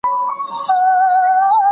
مطالعه باید د ارزښتونو او نوښتونو لپاره وي.